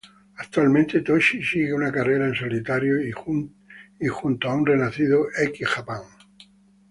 Actualmente Toshi sigue una carrera en solitario y junto a un renacido X-Japan.